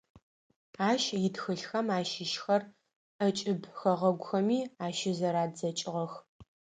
Ащ итхылъхэм ащыщхэр ӏэкӏыб хэгъэгухэми ащызэрадзэкӏыгъэх.